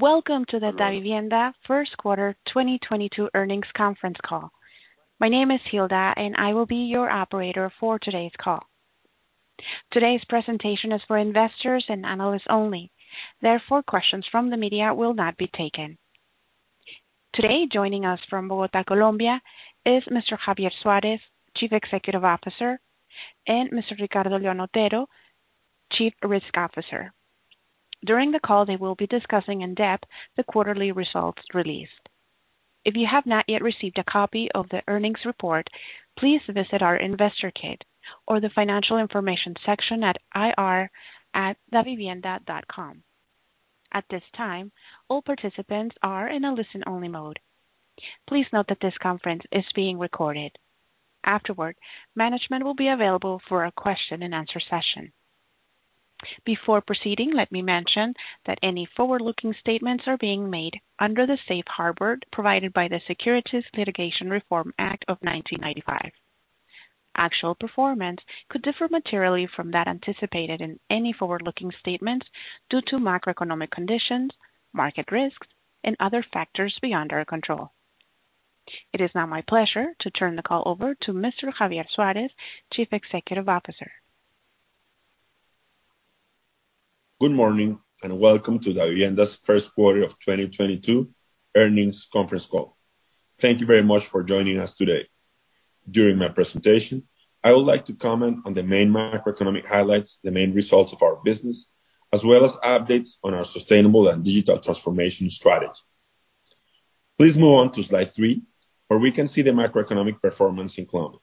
Welcome to the Davivienda Q1 2022 earnings Conference Call. My name is Hilda, and I will be your operator for today's call. Today's presentation is for investors and analysts only. Therefore, questions from the media will not be taken. Today, joining us from Bogotá, Colombia, is Mr. Javier Suárez, Chief Executive Officer, and Mr. Ricardo León Otero, Chief Risk Officer. During the call, they will be discussing in depth the quarterly results released. If you have not yet received a copy of the earnings report, please visit our investor kit or the financial information section at ir@davivienda.com. At this time, all participants are in a listen-only mode. Please note that this conference is being recorded. Afterward, management will be available for a question and answer session. Before proceeding, let me mention that any forward-looking statements are being made under the Safe Harbor provided by the Private Securities Litigation Reform Act of 1995. Actual performance could differ materially from that anticipated in any forward-looking statements due to macroeconomic conditions, market risks, and other factors beyond our control. It is now my pleasure to turn the call over to Mr. Javier Suárez, Chief Executive Officer. Good morning and welcome to Davivienda's Q1 2022 earnings Conference Call. Thank you very much for joining us today. During my presentation, I would like to comment on the main macroeconomic highlights, the main results of our business, as well as updates on our sustainable and digital transformation strategy. Please move on to slide 3, where we can see the macroeconomic performance in Colombia.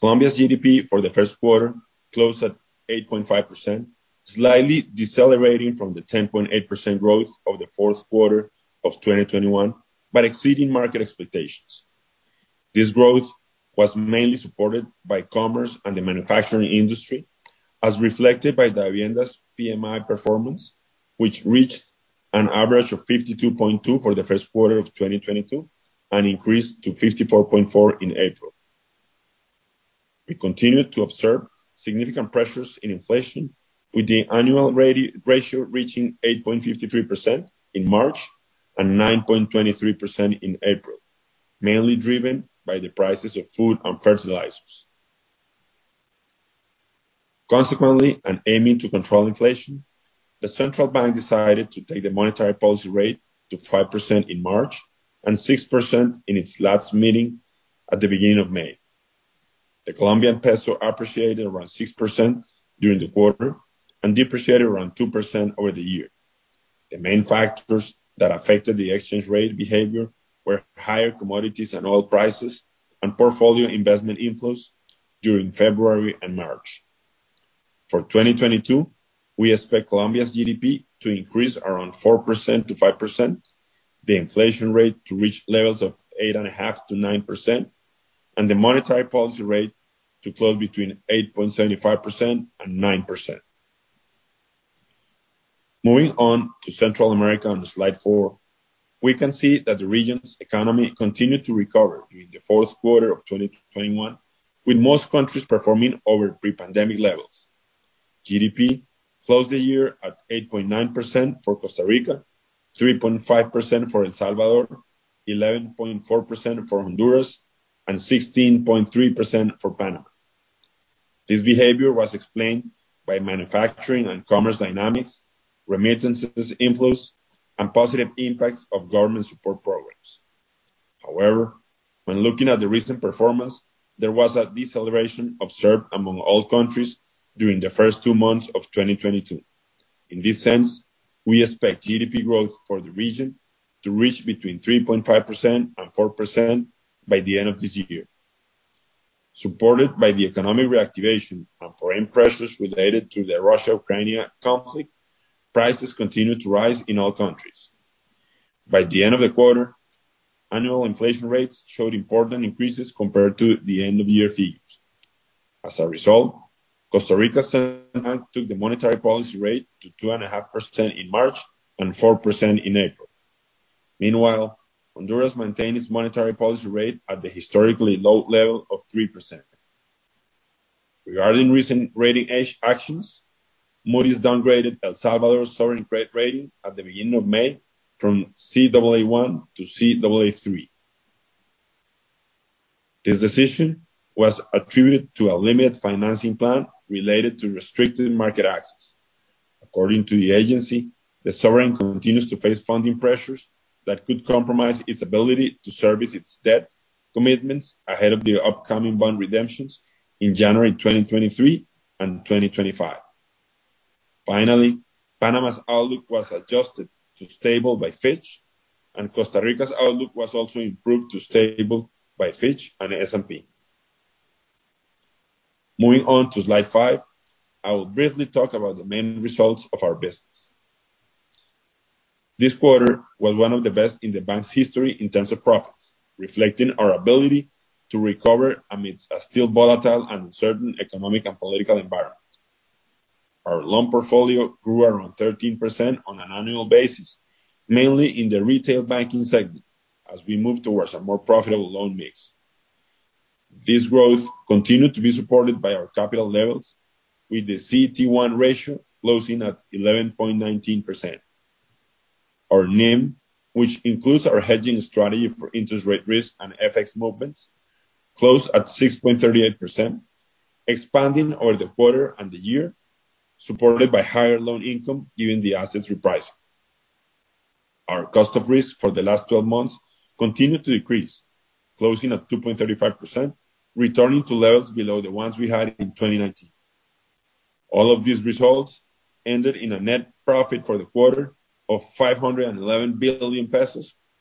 Colombia's GDP for the Q1 closed at 8.5%, slightly decelerating from the 10.8% growth of the Q4 2021, but exceeding market expectations. This growth was mainly supported by commerce and the manufacturing industry, as reflected by Davivienda's PMI performance, which reached an average of 52.2 for the Q1 2022 and increased to 54.4 in April. We continued to observe significant pressures in inflation with the annual inflation rate reaching 8.53% in March and 9.23% in April, mainly driven by the prices of food and fertilizers. Consequently, and aiming to control inflation, the Central Bank decided to take the monetary policy rate to 5% in March and 6% in its last meeting at the beginning of May. The Colombian peso appreciated around 6% during the quarter and depreciated around 2% over the year. The main factors that affected the exchange rate behavior were higher-commodities and oil prices and portfolio investment inflows during February and March. For 2022, we expect Colombia's GDP to increase around 4%-5%, the inflation rate to reach levels of 8.5%-9%, and the monetary policy rate to close between 8.75%-9%. Moving on to Central America on slide 4, we can see that the region's economy continued to recover during the Q4 2021, with most countries performing over pre-pandemic levels. GDP closed the year at 8.9% for Costa Rica, 3.5% for El Salvador, 11.4% for Honduras, and 16.3% for Panama. This behavior was explained by manufacturing and commerce dynamics, remittances inflows, and positive impacts of government support programs. However, when looking at the recent performance, there was a deceleration observed among all countries during the first two months of 2022. In this sense, we expect GDP growth for the region to reach between 3.5% and 4% by the end of this year. Supported by the economic reactivation and foreign pressures related to the Russia-Ukraine conflict, prices continued to rise in all countries. By the end of the quarter, annual inflation rates showed important increases compared to the end of year figures. As a result, Costa Rica's Central Bank took the monetary policy rate to 2.5% in March and 4% in April. Meanwhile, Honduras maintained its monetary policy rate at the historically low level of 3%. Regarding recent rating agency actions, Moody's downgraded El Salvador's sovereign credit rating at the beginning of May from Caa1 to Caa3. This decision was attributed to a limited financing plan related to restricted market access. According to the agency, the sovereign continues to face funding pressures that could compromise its ability to service its debt commitments ahead of the upcoming bond redemptions in January 2023 and 2025. Finally, Panama's outlook was adjusted to stable by Fitch, and Costa Rica's outlook was also improved to stable by Fitch and S&P. Moving on to slide 5, I will briefly talk about the main results of our business. This quarter was one of the best in the bank's history in terms of profits, reflecting our ability to recover amidst a still volatile and uncertain economic and political environment. Our loan portfolio grew around 13% on an annual basis, mainly in the retail banking segment as we move towards a more profitable loan mix. This growth continued to be supported by our capital levels with the CET1 ratio closing at 11.19%. Our NIM, which includes our hedging strategy for interest rate risk and FX movements, closed at 6.38%, expanding over the quarter and the year, supported by higher-loan income given the assets repricing. Our cost of risk for the last twelve months continued to decrease, closing at 2.35%, returning to levels below the ones we had in 2019. All of these results ended in a net profit for the quarter of COP 511 billion,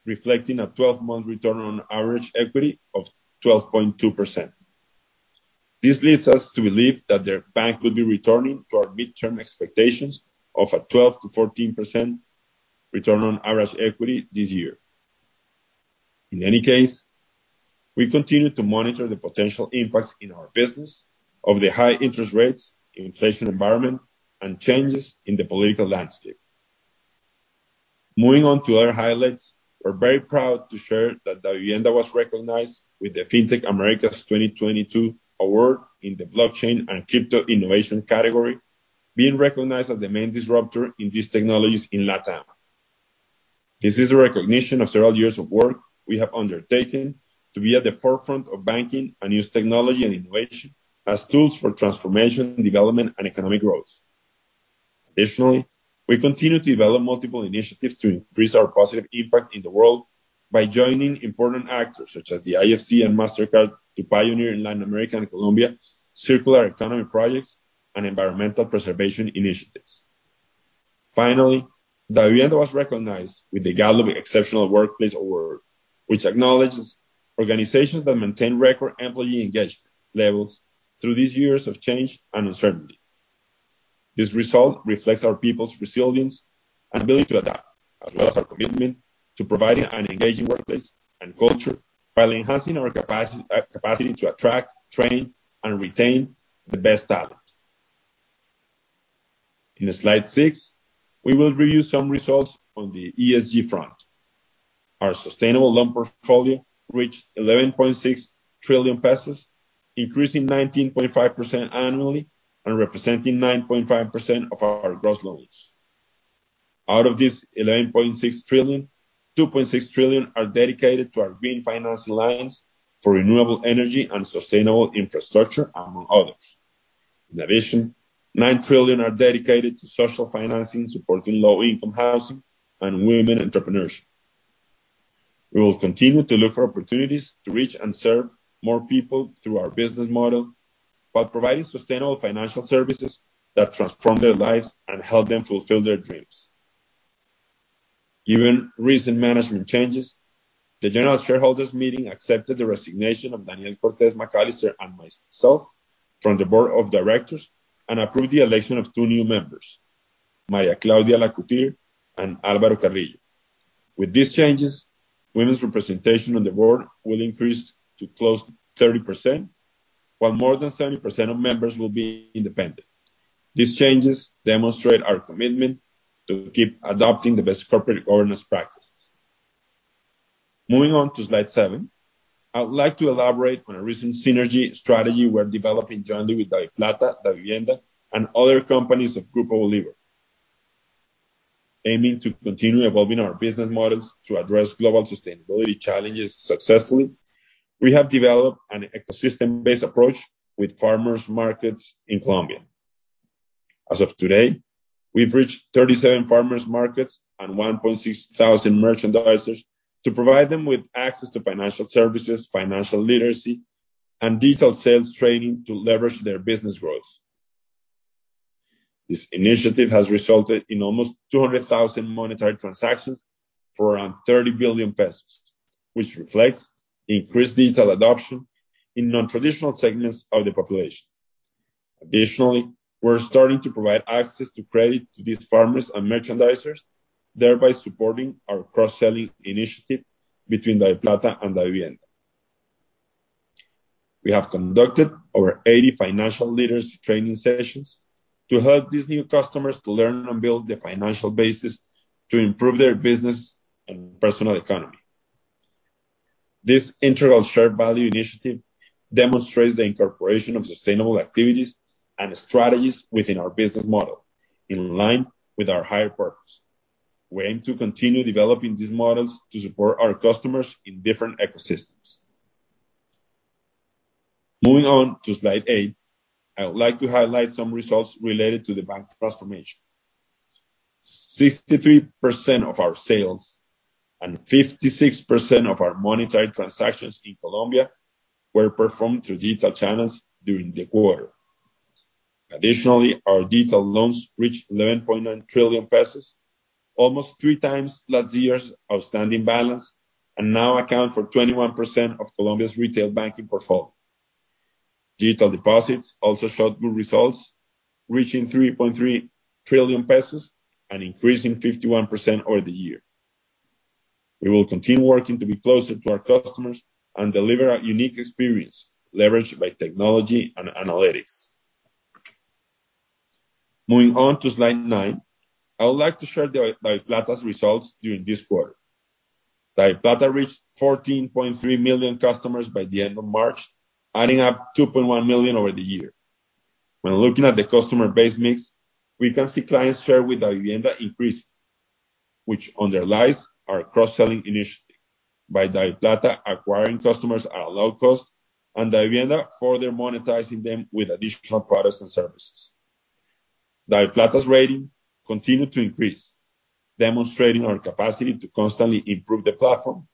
reflecting a twelve-month return on average equity of 12.2%. This leads us to believe that the bank could be returning to our midterm expectations of a 12%-14% return on average equity this year. In any case, we continue to monitor the potential impacts in our business of the high interest rates, inflation environment, and changes in the political landscape. Moving on to other highlights, we're very proud to share that Davivienda was recognized with the Fintech Americas 2022 award in the blockchain and crypto innovation category, being recognized as the main disruptor in these technologies in Latam. This is a recognition of several years of work we have undertaken to be at the forefront of banking and use technology and innovation as tools for transformation, development, and economic growth. Additionally, we continue to develop multiple initiatives to increase our positive impact in the world by joining important actors such as the IFC and Mastercard to pioneer in Latin America and Colombia circular economy projects and environmental preservation initiatives. Finally, Davivienda was recognized with the Gallup Exceptional Workplace Award, which acknowledges organizations that maintain record employee engagement levels through these years of change and uncertainty. This result reflects our people's resilience and ability to adapt, as well as our commitment to providing an engaging workplace and culture while enhancing our capacity to attract, train, and retain the best talent. In slide 6, we will review some results on the ESG front. Our sustainable loan portfolio reached COP 11.6 trillion, increasing 19.5% annually and representing 9.5% of our gross loans. Out of this COP 11.6 trillion, COP 2.6 trillion are dedicated to our Green Finance Alliance for renewable energy and sustainable infrastructure, among others. In addition, COP 9 trillion are dedicated to social financing, supporting low-income housing and women entrepreneurship. We will continue to look for opportunities to reach and serve more people through our business model while providing sustainable financial services that transform their lives and help them fulfill their dreams. Given recent management changes, the general shareholders meeting accepted the resignation of Daniel Cortes McAllister and myself from the board of directors and approved the election of two new members, María Claudia Lacouture and Álvaro Carrillo. With these changes, women's representation on the board will increase to close to 30%, while more than 70% of members will be independent. These changes demonstrate our commitment to keep adopting the best corporate governance practices. Moving on to slide 7, I would like to elaborate on a recent synergy strategy we're developing jointly with DaviPlata, Davivienda, and other companies of Grupo Bolívar. Aiming to continue evolving our business models to address global sustainability challenges successfully, we have developed an ecosystem-based approach with farmers markets in Colombia. As of today, we've reached 37 farmers markets and 1,600 merchandisers to provide them with access to financial services, financial literacy, and digital sales training to leverage their business growth. This initiative has resulted in almost 200,000 monetary transactions for around COP 30 billion, which reflects the increased digital adoption in non-traditional segments of the population. Additionally, we're starting to provide access to credit to these farmers and merchandisers, thereby supporting our cross-selling initiative between DaviPlata and Davivienda. We have conducted over 80 financial literacy training sessions to help these new customers to learn and build the financial basis to improve their business and personal economy. This integral shared value initiative demonstrates the incorporation of sustainable activities and strategies within our business model in line with our higher-purpose. We aim to continue developing these models to support our customers in different ecosystems. Moving on to slide 8, I would like to highlight some results related to the bank's transformation. 63% of our sales and 56% of our monetary transactions in Colombia were performed through digital channels during the quarter. Additionally, our digital loans reached COP 11.9 trillion, almost 3 times last year's outstanding balance, and now account for 21% of Colombia's retail banking portfolio. Digital deposits also showed good results, reaching COP 3.3 trillion and increasing 51% over the year. We will continue working to be closer to our customers and deliver a unique experience leveraged by technology and analytics. Moving on to slide 9, I would like to share the DaviPlata's results during this quarter. DaviPlata reached 14.3 million customers by the end of March, adding up 2.1 million over the year. When looking at the customer base mix, we can see client share with Davivienda increase, which underlies our cross-selling initiative by DaviPlata acquiring customers at a low-cost and Davivienda further monetizing them with additional products and services. DaviPlata's rating continued to increase, demonstrating our capacity to constantly improve the platform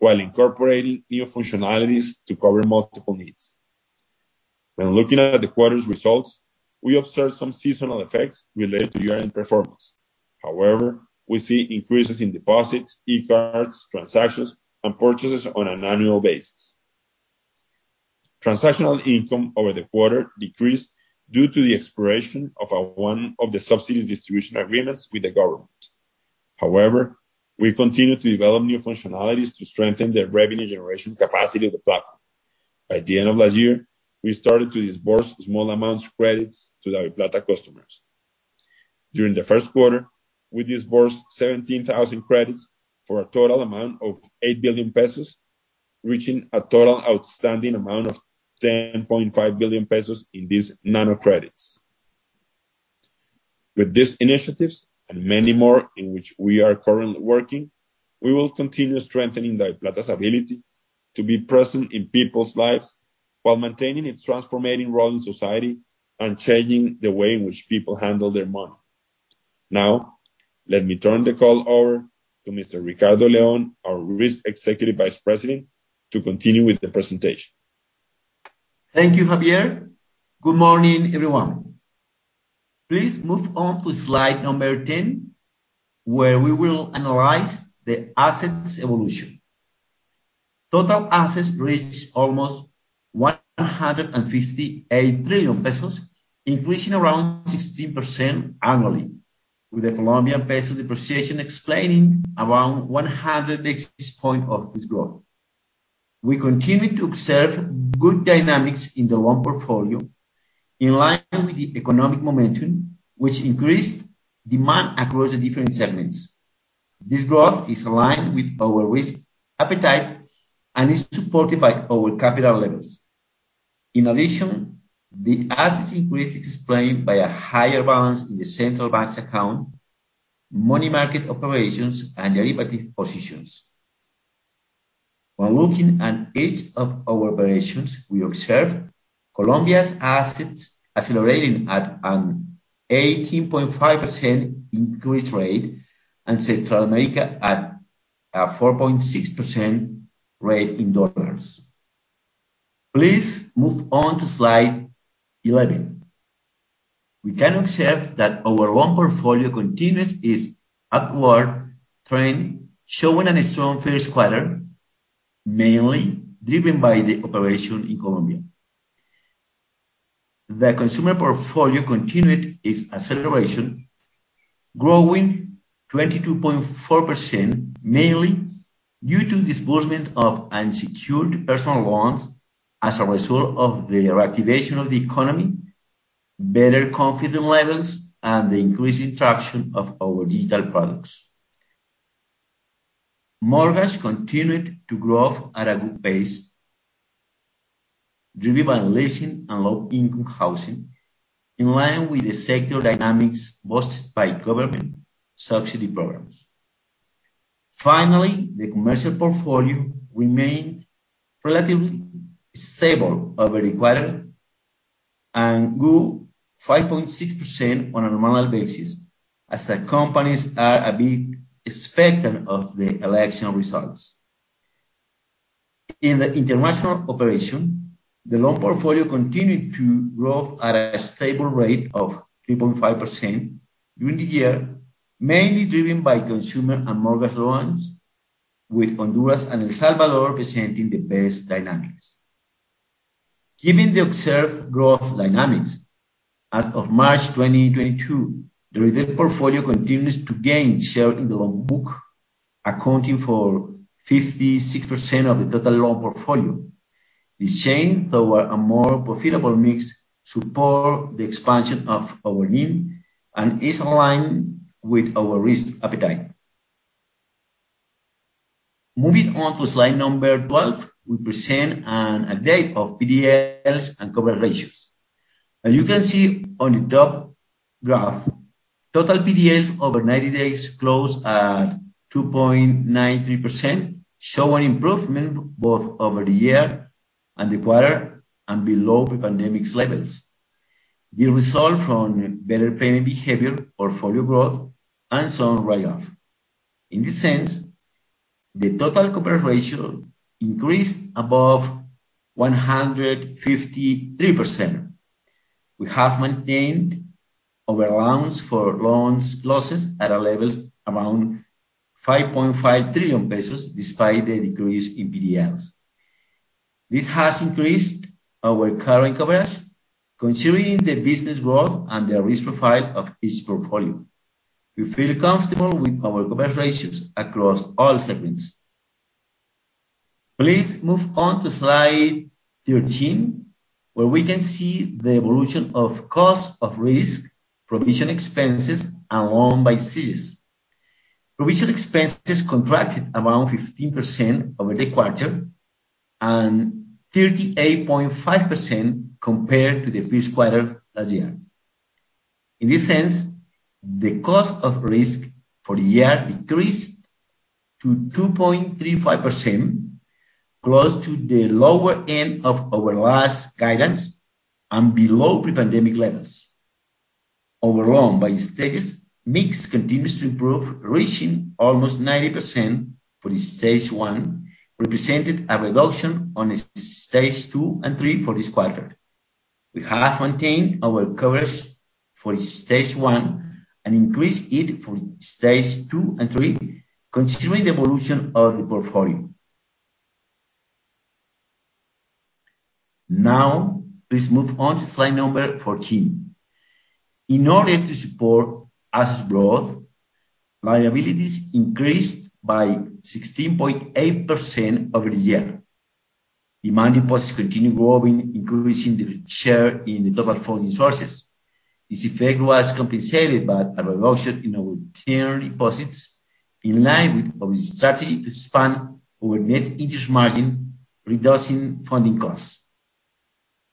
while incorporating new functionalities to cover multiple needs. When looking at the quarter's results, we observed some seasonal effects related to year-end performance. However, we see increases in deposits, e-cards, transactions, and purchases on an annual basis. Transactional income over the quarter decreased due to the expiration of one of the subsidies distribution agreements with the government. However, we continue to develop new functionalities to strengthen the revenue generation capacity of the platform. By the end of last year, we started to disburse small amounts of credits to DaviPlata customers. During the Q1, we disbursed 17,000 credits for a total amount of COP 8 billion, reaching a total outstanding amount of COP 10.5 billion in these nano-credits. With these initiatives and many more in which we are currently working, we will continue strengthening DaviPlata's ability to be present in people's lives while maintaining its transforming role in society and changing the way in which people handle their money. Now, let me turn the call over to Mr. Ricardo León, our Risk Executive Vice President, to continue with the presentation. Thank you, Javier. Good morning, everyone. Please move on to slide number 10, where we will analyze the assets evolution. Total assets reached almost COP 158 trillion, increasing around 16% annually, with the Colombian peso depreciation explaining around 100 basis points of this growth. We continue to observe good dynamics in the loan portfolio in line with the economic momentum, which increased demand across the different segments. This growth is aligned with our risk appetite and is supported by our capital levels. In addition, the assets increase is explained by a higher-balance in the central bank's account, money market operations, and derivative positions. When looking at each of our operations, we observe Colombia's assets accelerating at an 18.5% increase rate and Central America at a 4.6% rate in dollars. Please move on to slide 11. We can observe that our loan portfolio continues its upward trend, showing a strong Q1, mainly driven by the operation in Colombia. The consumer portfolio continued its acceleration, growing 22.4%, mainly due to disbursement of unsecured personal loans as a result of the reactivation of the economy, better confidence levels, and the increasing traction of our digital products. Mortgage continued to grow at a good pace, driven by leasing and low-income housing in line with the sector dynamics boosted by government subsidy programs. Finally, the commercial portfolio remained relatively stable over the quarter and grew 5.6% on a normal basis as the companies are a bit expectant of the election results. In the international operation, the loan portfolio continued to grow at a stable rate of 3.5% during the year, mainly driven by consumer and mortgage loans, with Honduras and El Salvador presenting the best dynamics. Given the observed growth dynamics, as of March 2022, the retail portfolio continues to gain share in the loan book, accounting for 56% of the total loan portfolio. This change toward a more profitable mix support the expansion of our NIM and is aligned with our risk appetite. Moving on to slide 12, we present an update of PDLs and coverage ratios. As you can see on the top-graph, total PDLs over 90 days closed at 2.93%, show an improvement both over the year and the quarter and below pre-pandemic levels. The result from better payment behavior of portfolio growth and some write-off. In this sense, the total coverage ratio increased above 153%. We have maintained our allowance for loan losses at a level around COP 5.5 trillion despite the decrease in PDLs. This has increased our current coverage, considering the business growth and the risk profile of each portfolio. We feel comfortable with our coverage ratios across all segments. Please move on to slide 13, where we can see the evolution of cost of risk, provision expenses, and loans by stages. Provision expenses contracted around 15% over the quarter and 38.5% compared to the Q1 last year. In this sense, the cost of risk for the year decreased to 2.35%, close to the lower-end of our last guidance and below pre-pandemic levels. Overall, by stages, mix continues to improve, reaching almost 90% for the stage one, representing a reduction on the stage two and three for this quarter. We have maintained our coverage for stage one and increased it for stage two and three, considering the evolution of the portfolio. Now, please move on to slide number 14. In order to support asset growth, liabilities increased by 16.8% over the year. Demand deposits continue growing, increasing the share in the total funding sources. This effect was compensated by a reduction in our term deposits in line with our strategy to expand our net interest margin, reducing funding costs.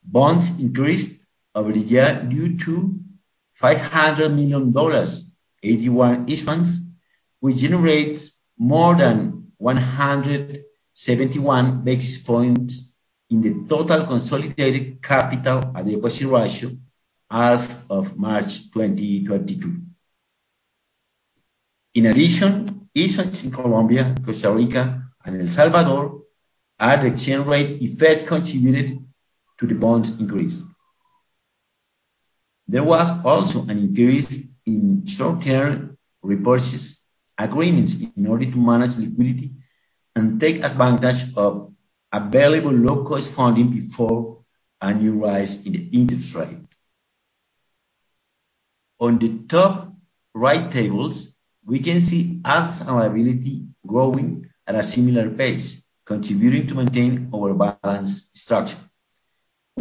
Bonds increased over the year due to $500 million AT1 issuance, which generates more than 171 basis points in the total consolidated capital and equity ratio as of March 2022. In addition, issuance in Colombia, Costa Rica, and El Salvador at exchange rate effect contributed to the bonds increase. There was also an increase in short-term repurchase agreements in order to manage liquidity and take advantage of available low-cost funding before a new rise in the interest rate. On the top-right tables, we can see assets and liabilities growing at a similar pace, contributing to maintain our balanced structure.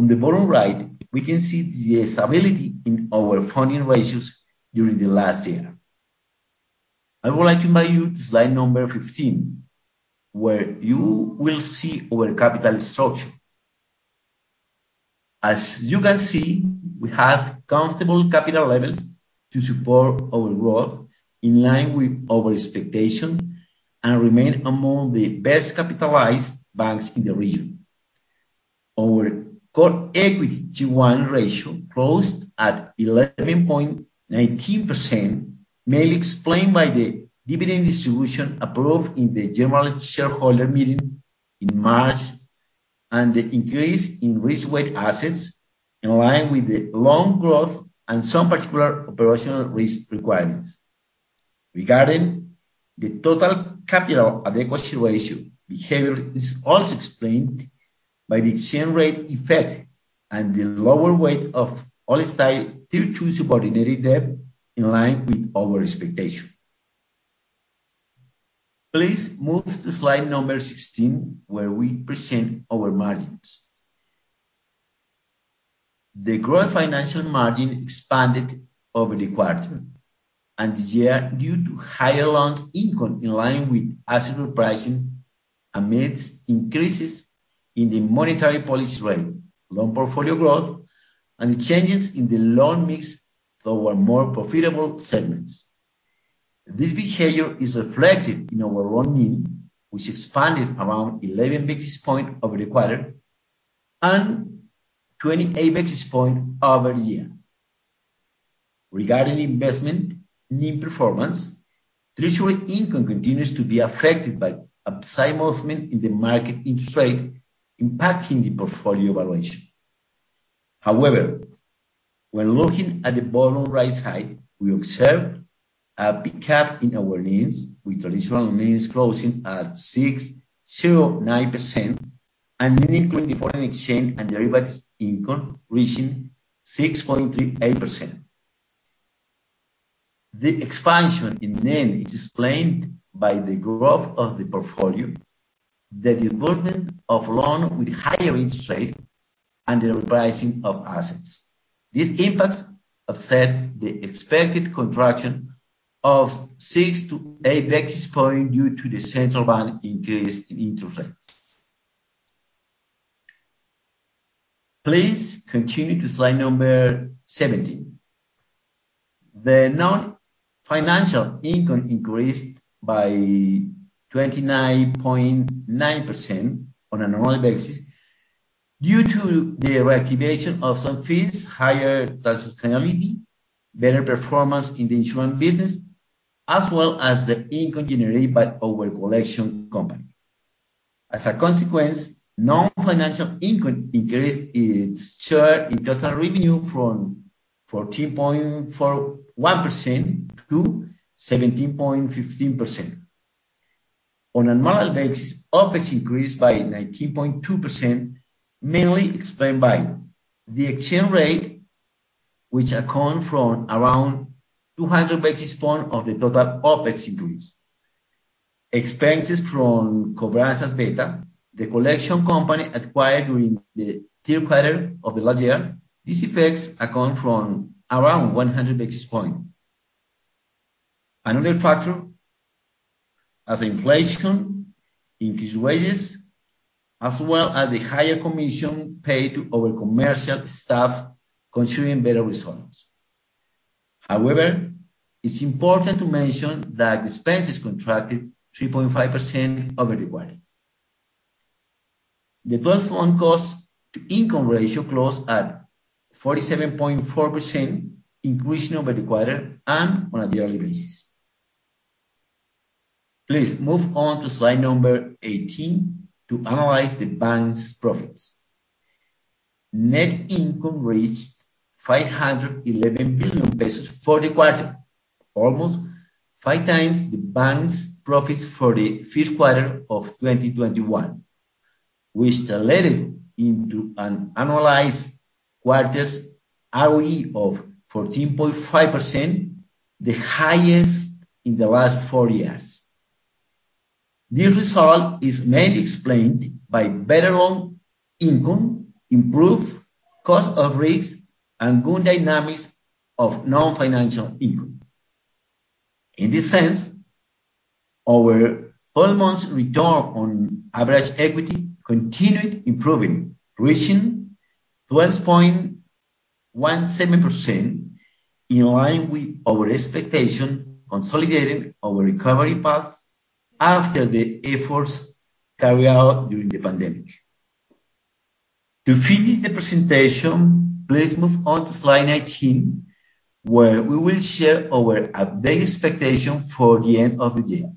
On the bottom-right, we can see the stability in our funding ratios during the last year. I would like to invite you to slide number 15, where you will see our capital structure. As you can see, we have comfortable capital levels to support our growth in line with our expectation and remain among the best capitalized banks in the region. Our core equity Tier 1 ratio closed at 11.19%, mainly explained by the dividend distribution approved in the general shareholder meeting in March and the increase in risk-weight assets in line with the loan growth and some particular operational risk requirements. Regarding the total capital adequacy ratio, behavior is also explained by the exchange rate effect and the lower weight of AT1-style Tier 2 subordinated debt in line with our expectation. Please move to slide 16, where we present our margins. The gross financial margin expanded over the quarter and the year due to higher-loans income in line with asset repricing amidst increases in the monetary policy rate, loan portfolio growth, and changes in the loan mix toward more profitable segments. This behavior is reflected in our loan NIM, which expanded around 11 basis points over the quarter and 28 basis points over the year. Regarding investment NIM performance, treasury income continues to be affected by upside movement in the market interest rate impacting the portfolio valuation. However, when looking at the bottom-right side, we observe a pickup in our NIMs, with traditional NIMs closing at 6.09% and NIM including foreign exchange and derivatives income reaching 6.38%. The expansion in NIM is explained by the growth of the portfolio, the deployment of loan with higher interest rate, and the repricing of assets. These impacts offset the expected contraction of 6-8 basis points due to the central bank increase in interest rates. Please continue to slide number 17. The non-financial income increased by 29.9% on an annual basis due to the reactivation of some fees, higher fee origination, better performance in the insurance business, as well as the income generated by our collection company. As a consequence, non-financial income increased its share in total revenue from 14.41% to 17.15%. On an annual basis, OPEX increased by 19.2%, mainly explained by the exchange rate, which accounts for around 200 basis points of the total OPEX increase. Expenses from Cobranzas Beta, the collection company acquired during the Q3 last year. These effects account for around 100 basis points. Another factor, as inflation increased wages, as well as the higher commission paid to our commercial staff considering better results. However, it's important to mention that expenses contracted 3.5% over the quarter. The first one, cost-to-income ratio, closed at 47.4%, increasing over the quarter and on a yearly basis. Please move on to slide number 18 to analyze the bank's profits. Net income reached COP 511 billion for the quarter, almost 5 times the bank's profits for the Q4 2021, which translated into an annualized quarter's ROE of 14.5%, the highest in the last four years. This result is mainly explained by better loan income, improved cost of risks, and good dynamics of non-financial income. In this sense, our 12-month return on average equity continued improving, reaching 12.17%, in line with our expectation, consolidating our recovery path after the efforts carried out during the pandemic. To finish the presentation, please move on to slide 19, where we will share our updated expectation for the end of the year.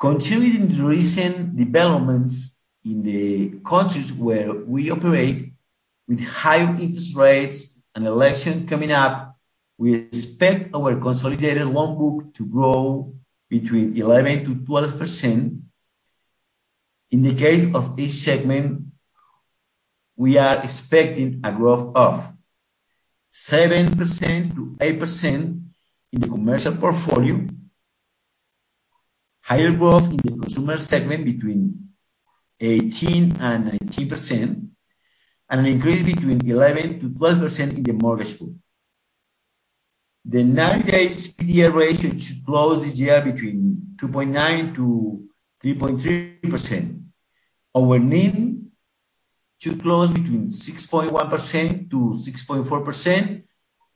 Continuing the recent developments in the countries where we operate with high interest rates and election coming up, we expect our consolidated loan book to grow between 11%-12%. In the case of each segment, we are expecting a growth of 7%-8% in the commercial portfolio, higher growth in the consumer segment between 18%-19%, and an increase between 11%-12% in the mortgage book. The 90-day PDL ratio should close this year between 2.9%-3.3%. Our NIM should close between 6.1%-6.4%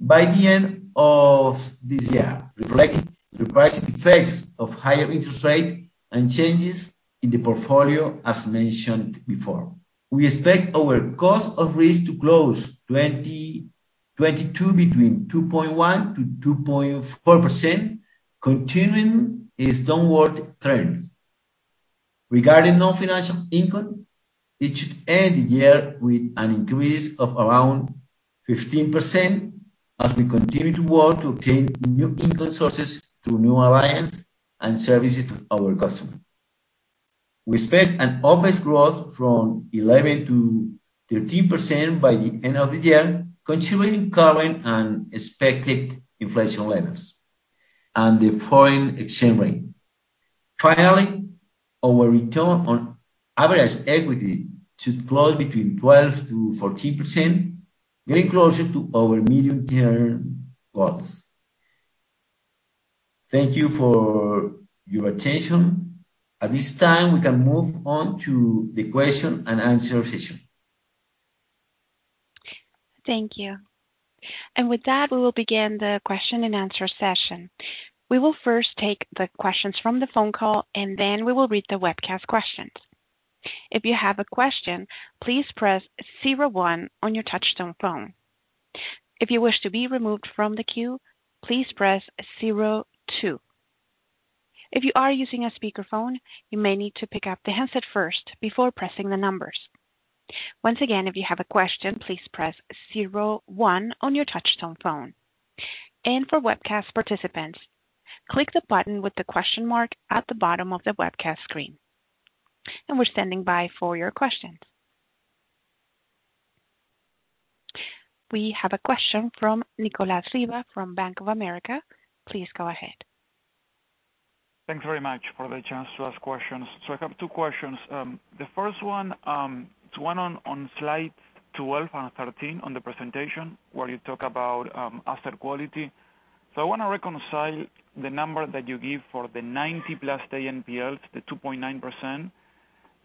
by the end of this year, reflecting the pricing effects of higher-interest rate and changes in the portfolio as mentioned before. We expect our cost of risk to close 2022 between 2.1%-2.4%, continuing its downward trends. Regarding non-financial income, it should end the year with an increase of around 15% as we continue to work to obtain new income sources through new alliance and services to our customers. We expect an OPEX growth from 11%-13% by the end of the year, considering current and expected inflation levels and the foreign exchange rate. Finally, our return on average equity should close between 12%-14%, getting closer to our medium-term goals. Thank you for your attention. At this time, we can move on to the question and answer session. Thank you. With that, we will begin the question-and-answer session. We will first take the questions from the phone call, and then we will read the webcast questions. If you have a question, please press zero one on your touchtone phone. If you wish to be removed from the queue, please press zero two. If you are using a speakerphone, you may need to pick up the handset first before pressing the numbers. Once again, if you have a question, please press zero one on your touchtone phone. For webcast participants, click the button with the question mark at the bottom of the webcast screen. We're standing by for your questions. We have a question from Nicolas Riva from Bank of America. Please go ahead. Thanks very much for the chance to ask questions. I have two questions. The first one, it's one on slide 12 and 13 on the presentation, where you talk about asset quality. I wanna reconcile the number that you give for the 90-plus day NPLs, the 2.9%,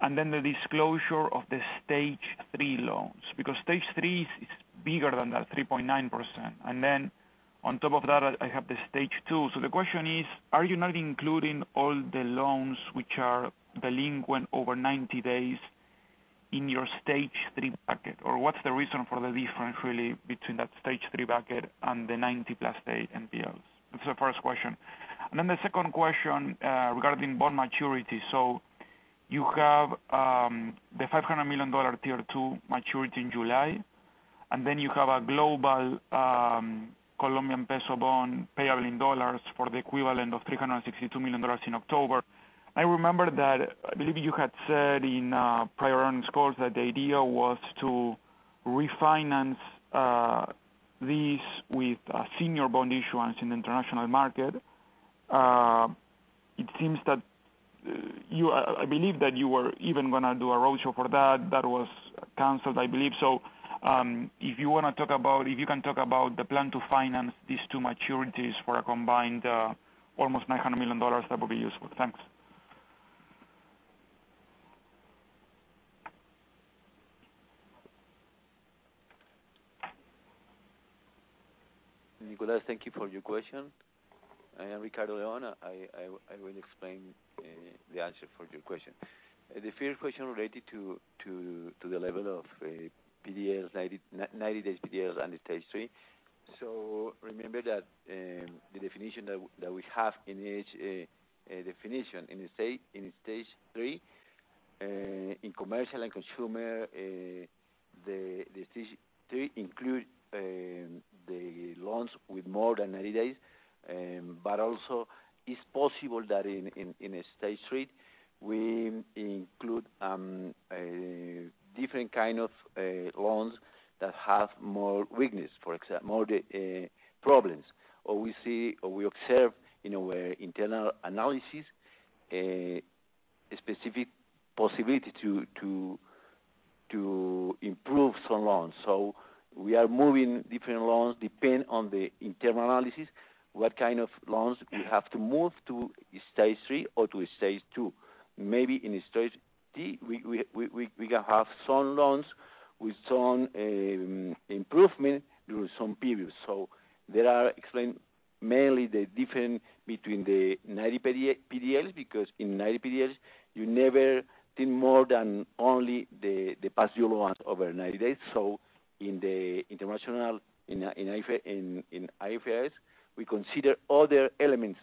and then the disclosure of the stage three loans, because stage three is bigger than that 3.9%. Then on top of that, I have the stage two. The question is, are you not including all the loans which are delinquent over 90 days in your stage three bucket? Or what's the reason for the difference really between that stage three bucket and the 90-plus day NPLs? That's the first question. Then the second question regarding bond maturity. You have the $500 million Tier 2 maturity in July, and then you have a global Colombian peso bond payable in dollars for the equivalent of $362 million in October. I remember that, I believe you had said in prior earnings calls that the idea was to refinance this with a senior bond issuance in international market. It seems that you were even gonna do a roadshow for that. That was canceled, I believe. If you can talk about the plan to finance these two maturities for a combined almost $900 million, that would be useful. Thanks. Nicolas, thank you for your question. I am Ricardo León. I will explain the answer for your question. The first question related to the level of PDLs, 90-day PDLs under stage three. Remember that the definition that we have in each definition in stage three in commercial and consumer, the stage three include the loans with more than 90 days, but also it's possible that in stage three, we include a different kind of loans that have more weakness, more problems. Or we observe in our internal analysis a specific possibility to improve some loans. We are moving different loans depending on the internal analysis, what kind of loans we have to move to Stage 3 or to Stage 2. Maybe in Stage 3, we can have some loans with some improvement during some periods. That explains mainly the difference between the 90 PDL, PDLs, because in 90 PDLs, you never consider more than only the past due loans over 90 days. In IFRS, we consider other elements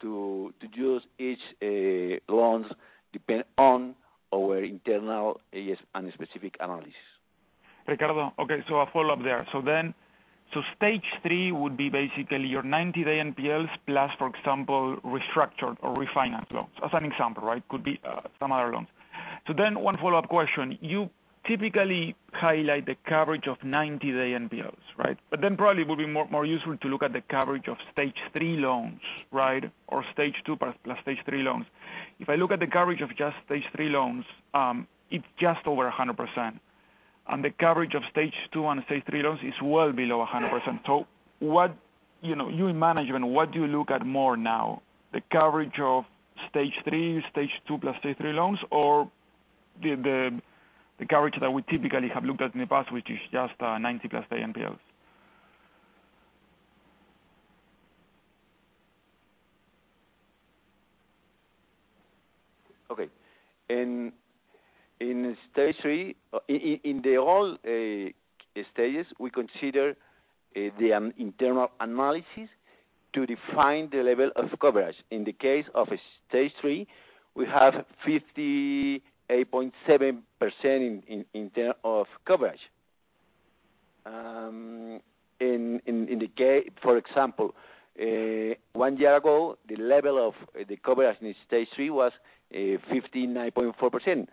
to use each loans depending on our internal assessment and specific analysis. Ricardo, okay, a follow-up there. Stage three would be basically your 90-day NPLs plus, for example, restructured or refinance loans. As an example, right? Could be, some other loans. One follow-up question. You typically highlight the coverage of 90-day NPLs, right? Probably it would be more useful to look at the coverage of stage three loans, right? Or stage two plus stage three loans. If I look at the coverage of just stage three loans, it's just over 100%. The coverage of stage two and stage three loans is well below 100%. What, you know, you in management, what do you look at more now? The coverage of stage three, stage two plus stage three loans, or the coverage that we typically have looked at in the past, which is just 90+ day NPLs? In stage three, in all stages, we consider the internal analysis to define the level of coverage. In the case of stage three, we have 58.7% in terms of coverage. For example, one year ago, the level of the coverage in stage three was 59.4%.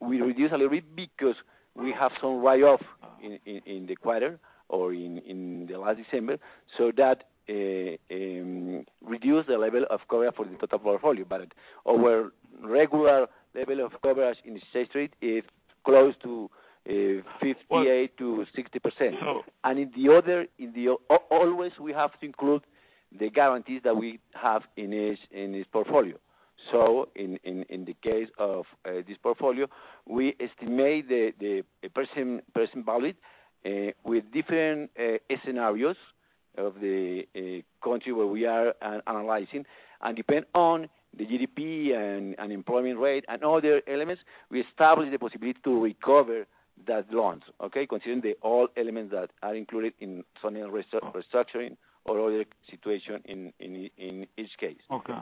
We reduce a little bit because we have some write off in the quarter or in last December, so that reduce the level of coverage for the total portfolio. Our regular level of coverage in stage three is close to 58%-60%. In the other stages, always, we have to include the guarantees that we have in each portfolio. In the case of this portfolio, we estimate the present value with different scenarios of the country where we are analyzing. Depending on the GDP and unemployment rate and other elements, we establish the possibility to recover those loans, okay? Considering all elements that are included in funding research or structuring or other situation in each case. Okay.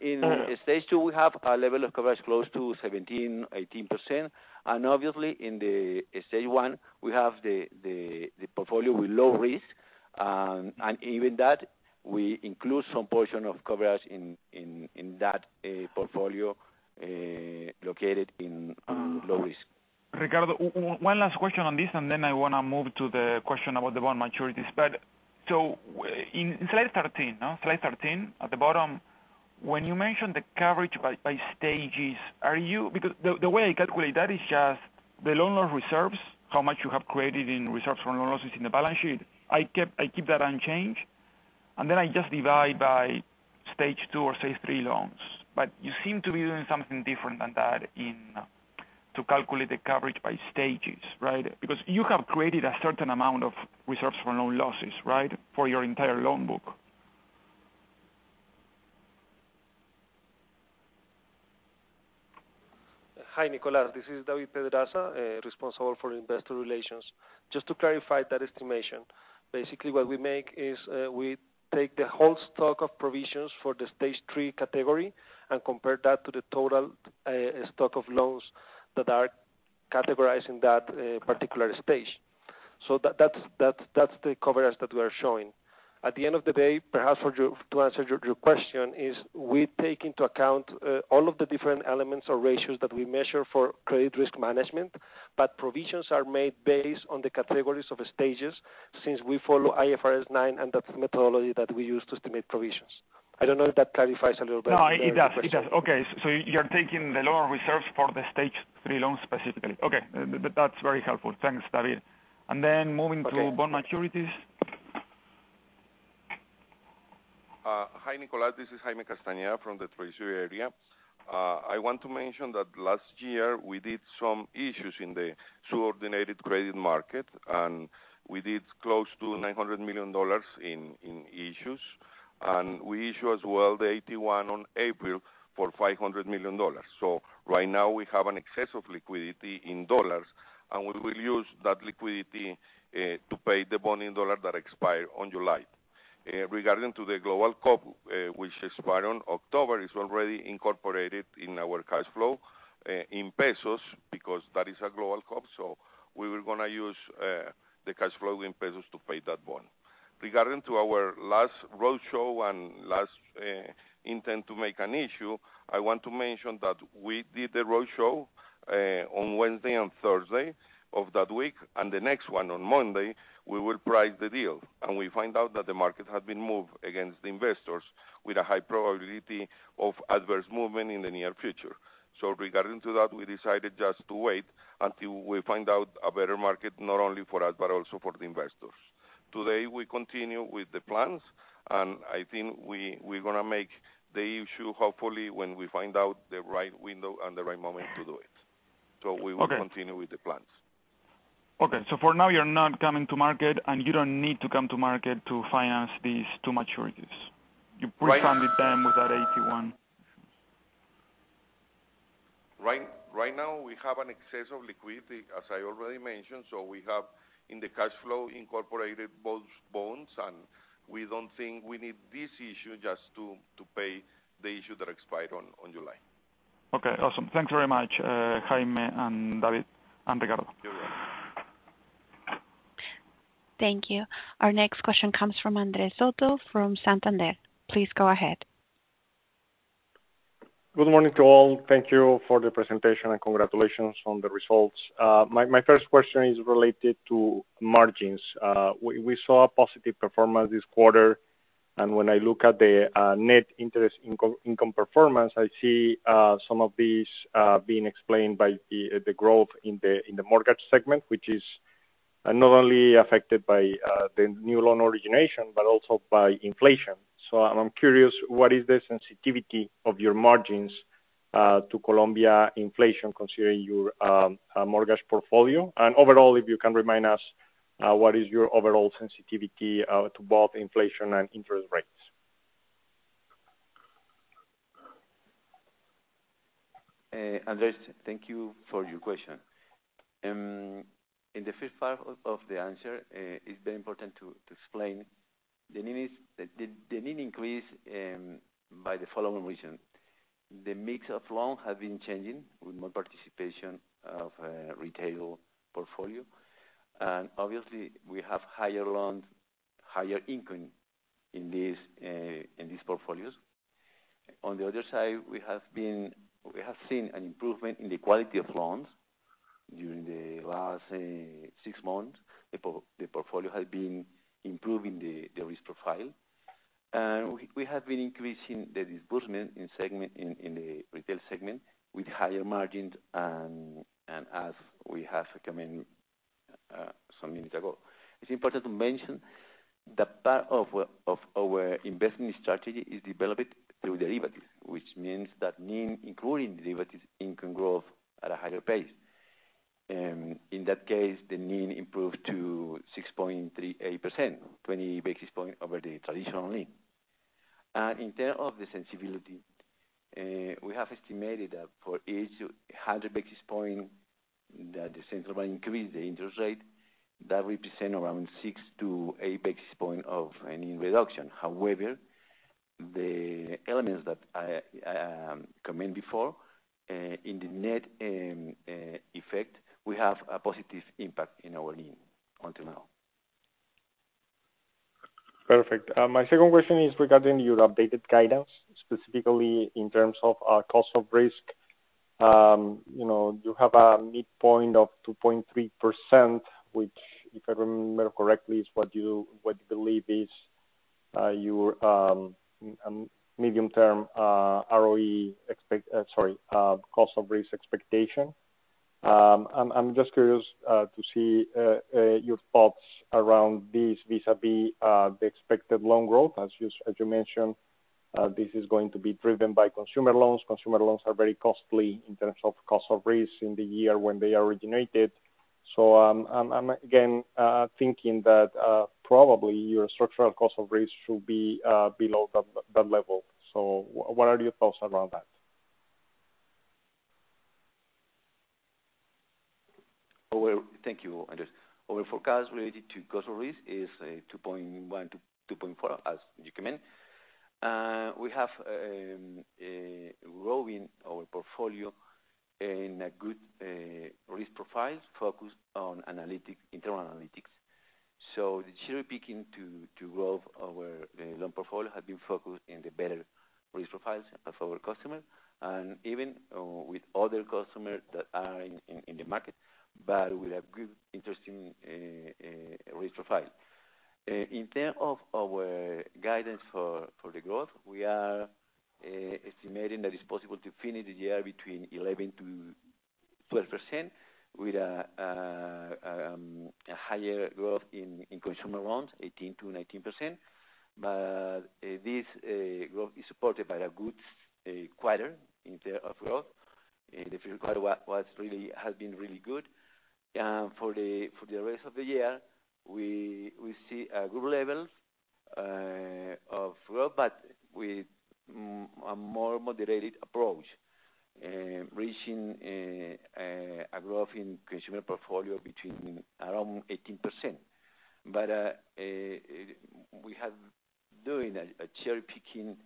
In stage two, we have a level of coverage close to 17%-18%. Obviously, in the stage one, we have the portfolio with low-risk. Even that we include some portion of coverage in that portfolio located in low-risk. Ricardo, one last question on this, and then I wanna move to the question about the bond maturities. In slide thirteen, no? Slide thirteen at the bottom, when you mention the coverage by stages, are you? Because the way I calculate that is just the loan loss reserves, how much you have created in reserves for loan losses in the balance sheet. I keep that unchanged, and then I just divide by stage two or stage three loans. You seem to be doing something different than that to calculate the coverage by stages, right? Because you have created a certain amount of reserves for loan losses, right? For your entire loan book. Hi, Nicolas. This is David Pedraza, responsible for investor relations. Just to clarify that estimation, basically what we make is, we take the whole stock of provisions for the stage three category and compare that to the total, stock of loans that are Categorizing that particular stage. That's the coverage that we are showing. At the end of the day, perhaps for you to answer your question, is we take into account all of the different elements or ratios that we measure for credit risk management, but provisions are made based on the categories of stages since we follow IFRS 9 and that methodology that we use to estimate provisions. I don't know if that clarifies a little bit. No, it does. Okay. You're taking the lower-reserves for the stage three loans specifically. Okay. That's very helpful. Thanks, David. Then moving to bond maturities. Okay. Hi, Nicolas. This is Jaime Castañeda from the treasury area. I want to mention that last year we did some issues in the subordinated credit market, and we did close to $900 million in issues. We issue as well the AT1 on April for $500 million. Right now we have an excess of liquidity in dollars, and we will use that liquidity to pay the bond in dollars that expire on July. Regarding to the Global COP, which expire on October, is already incorporated in our cash flow in pesos, because that is a Global COP. We were gonna use the cash flow in pesos to pay that bond. Regarding to our last roadshow and last intent to make an issue, I want to mention that we did the roadshow on Wednesday and Thursday of that week, and the next one on Monday, we will price the deal. We find out that the market had been moved against the investors with a high probability of adverse movement in the near future. Regarding to that, we decided just to wait until we find out a better market, not only for us but also for the investors. Today, we continue with the plans, and I think we're gonna make the issue hopefully when we find out the right window and the right moment to do it. Okay. We will continue with the plans. Okay. For now, you're not coming to market, and you don't need to come to market to finance these two maturities. You pre-funded them with that AT1. Right, right now we have an excess of liquidity, as I already mentioned, so we have in the cash flow incorporated both bonds, and we don't think we need this issue just to pay the issue that expired on July. Okay, awesome. Thanks very much, Jaime and David. Ricardo. You're welcome. Thank you. Our next question comes from Andres Soto from Santander. Please go ahead. Good morning to all. Thank you for the presentation and congratulations on the results. My first question is related to margins. We saw a positive performance this quarter, and when I look at the net interest income performance, I see some of these being explained by the growth in the mortgage segment, which is not only affected by the new loan origination, but also by inflation. I'm curious, what is the sensitivity of your margins to Colombian inflation considering your mortgage portfolio? Overall, if you can remind us, what is your overall sensitivity to both inflation and interest rates? Andres, thank you for your question. In the first part of the answer, it's very important to explain the NIM increase by the following reason. The mix of loans have been changing with more participation of retail portfolio. Obviously we have higher-loans, higher-income in these portfolios. On the other side, we have seen an improvement in the quality of loans during the last six months. The portfolio has been improving the risk profile. We have been increasing the disbursement in the retail segment with higher-margins and as we have recommend some minutes ago. It's important to mention that part of our investment strategy is developed through derivatives, which means that NIM, including derivatives, income growth at a higher pace. In that case, the NIM improved to 6.38%, 20 basis points over the traditional NIM. In terms of the sensibility, we have estimated that for each 100 basis points that the central bank increase the interest rate, that represent around 6-8 basis points of NIM reduction. However, the elements that I comment before, in the net effect, we have a positive impact in our NIM until now. Perfect. My second question is regarding your updated guidance, specifically in terms of cost of risk. You know, you have a midpoint of 2.3%, which, if I remember correctly, is what you believe is your medium-term cost of risk expectation. I'm just curious to see your thoughts around this vis-à-vis the expected loan growth. As you mentioned, this is going to be driven by consumer loans. Consumer loans are very costly in terms of cost of risk in the year when they originated. I'm again thinking that probably your structural cost of risk should be below that level. What are your thoughts around that? Thank you, Andres Soto. Our forecast related to cost of risk is 2.1%-2.4%, as you comment. We have growing our portfolio in a good risk profile focused on analytical internal analytics. The cherry picking to grow our loan portfolio has been focused in the better risk profiles of our customers, and even with other customers that are in the market, but with a good interesting risk profile. In terms of our guidance for the growth, we are estimating that it's possible to finish the year between 11%-12% with a higher growth in consumer loans, 18%-19%. This growth is supported by a good quarter in terms of growth. The Q3 has been really good. For the rest of the year, we see good levels of growth, but with a more moderated approach, reaching a growth in consumer portfolio between around 18%. We have doing a cherry picking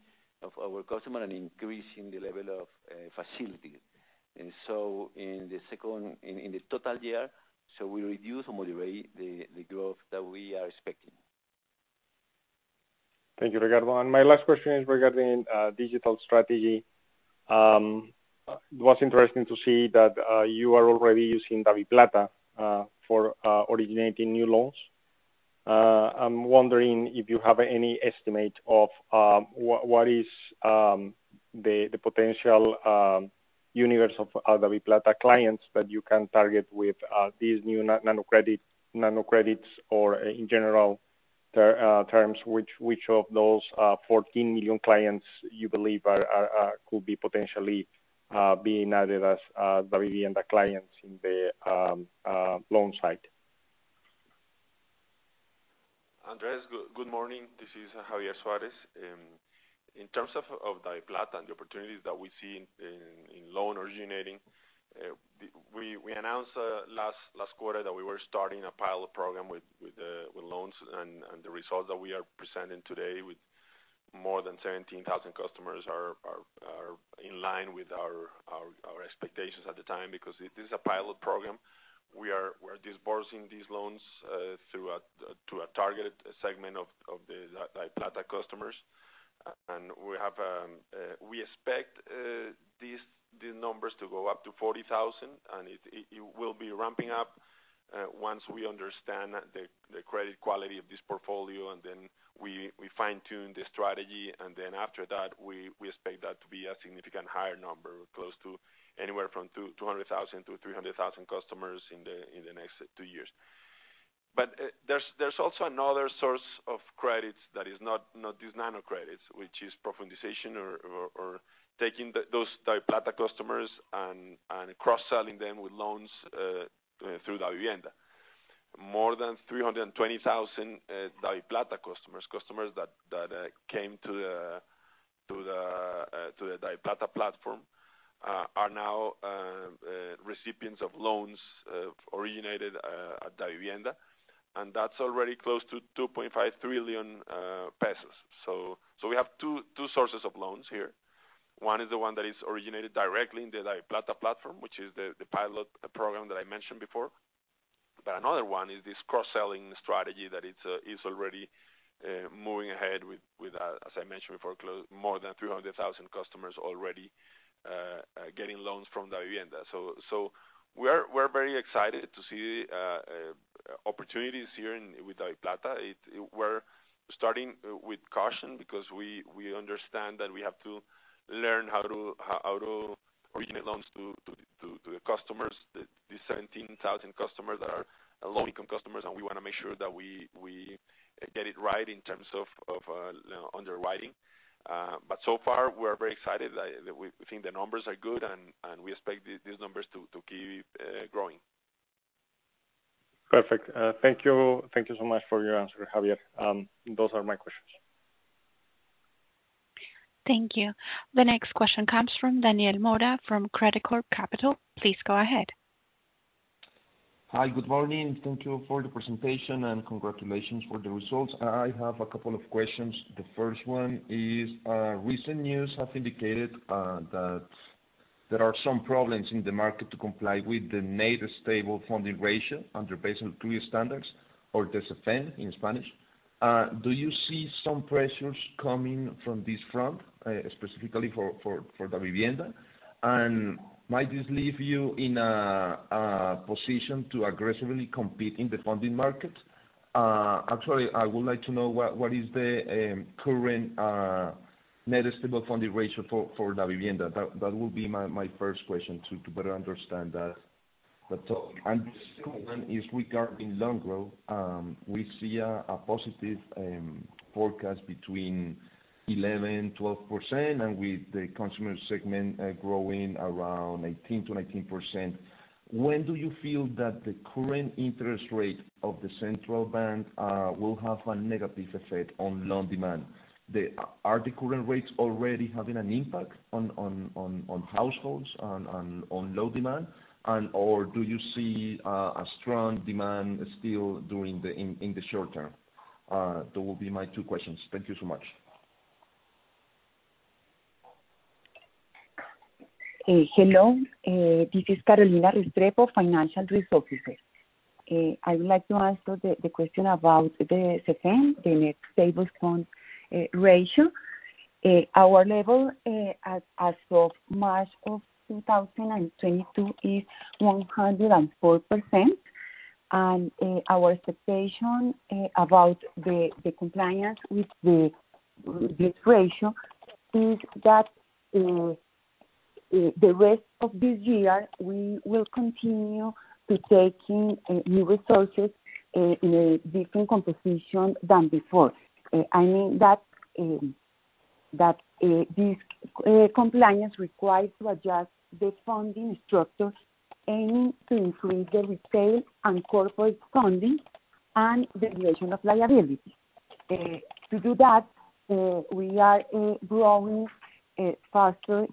of our customer and increasing the level of facility. In the total year, we reduce or moderate the growth that we are expecting. Thank you, Ricardo. My last question is regarding digital strategy. It was interesting to see that you are already using DaviPlata for originating new loans. I'm wondering if you have any estimate of what is the potential universe of DaviPlata clients that you can target with these new nanocredits, or in general terms, which of those 14 million clients you believe could be potentially being added as Davivienda clients in the loan side? Andres, good morning. This is Javier Suárez. In terms of DaviPlata and the opportunities that we see in loan originating, we announced last quarter that we were starting a pilot program with loans and the results that we are presenting today with more than 17,000 customers are in line with our expectations at the time because it is a pilot program. We're disbursing these loans to a targeted segment of the DaviPlata customers. We expect the numbers to go up to 40,000, and it will be ramping up once we understand the credit quality of this portfolio, and then we fine-tune the strategy. After that, we expect that to be a significant higher number, close to anywhere from 200,000 to 300,000 customers in the next two years. There's also another source of credits that is not these nano-credits, which is profundización or taking those DaviPlata customers and cross-selling them with loans through Davivienda. More than 320,000 DaviPlata customers that came to the DaviPlata platform are now recipients of loans originated at Davivienda. That's already close to COP 2.5 trillion. We have two sources of loans here. One is the one that is originated directly in the DaviPlata platform, which is the pilot program that I mentioned before. Another one is this cross-selling strategy that it is already moving ahead with, as I mentioned before, more than 300,000 customers already getting loans from Davivienda. We're very excited to see opportunities here with DaviPlata. We're starting with caution because we understand that we have to learn how to originate loans to the 17,000 customers that are low-income customers, and we wanna make sure that we get it right in terms of underwriting. So far, we are very excited. We think the numbers are good, and we expect these numbers to keep growing. Perfect. Thank you. Thank you so much for your answer, Javier. Those are my questions. Thank you. The next question comes from Daniel Mora from Credicorp Capital. Please go ahead. Hi. Good morning. Thank you for the presentation, and congratulations for the results. I have a couple of questions. The first one is, recent news have indicated that there are some problems in the market to comply with the Net Stable Funding Ratio under Basel III standards or CFEN in Spanish. Do you see some pressures coming from this front, specifically for Davivienda? And might this leave you in a position to aggressively compete in the funding market? Actually, I would like to know what is the current Net Stable Funding Ratio for Davivienda. That will be my first question to better understand that. The second one is regarding loan growth. We see a positive forecast between 11%-12% and with the consumer segment growing around 18%-19%. When do you feel that the current interest rate of the central bank will have a negative effect on loan demand? Are the current rates already having an impact on households, on loan demand and/or do you see a strong demand still in the short-term? That will be my two questions. Thank you so much. Hello. This is Carolina Restrepo, Financial Risk Officer. I would like to answer the question about the CFEN, the Net Stable Funding Ratio. Our level as of March 2022 is 104%. Our expectation about the compliance with this ratio is that the rest of this year, we will continue to taking new resources in a different composition than before. I mean that this compliance requires to adjust the funding structure aiming to increase the retail and corporate funding and the duration of liability. To do that, we are growing faster